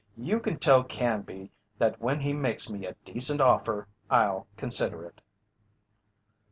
"You tell Canby that when he makes me a decent offer I'll consider it."